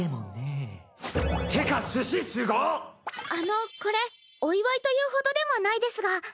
あのこれお祝いというほどでもないですが。